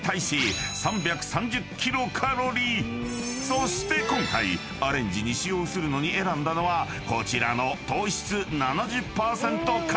［そして今回アレンジに使用するのに選んだのはこちらの］